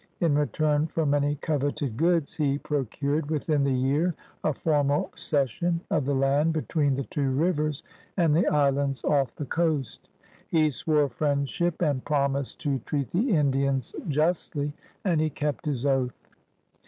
In retiun for many coveted goods, he procured within the year a formal cession of the land between the two rivers and the islands off the coast. He swore friendship and promised to treat the Indians justly, and he kept his oath.